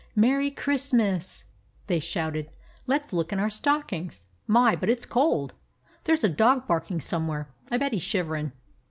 "Merry Christmas!" they shouted. "Let 's look in our stockings. My! but it's cold. There's a dog barking somewhere; I bet he 's shiverin'."